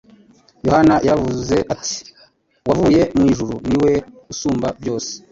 Yohana yaravuze ati, “Uwavuye mw’ijuru ni we usumba byose,